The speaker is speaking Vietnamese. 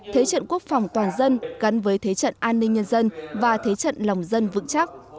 thế trận quốc phòng toàn dân gắn với thế trận an ninh nhân dân và thế trận lòng dân vững chắc